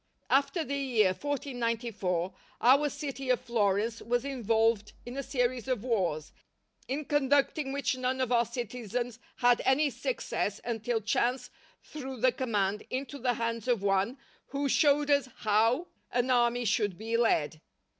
After the year 1494 our city of Florence was involved in a series of wars, in conducting which none of our citizens had any success until chance threw the command into the hands of one who showed us how an army should be led.